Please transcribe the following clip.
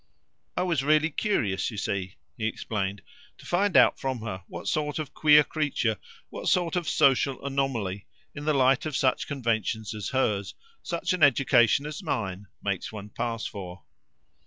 "I was really curious, you see," he explained, "to find out from her what sort of queer creature, what sort of social anomaly, in the light of such conventions as hers, such an education as mine makes one pass for."